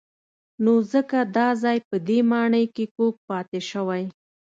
نو ځکه دا ځای په دې ماڼۍ کې کوږ پاتې شوی.